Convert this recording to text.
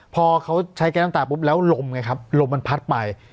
พอเขาใช้แก๊สน้ำตาปุ๊บแล้วลมไงครับลมมันพัดไป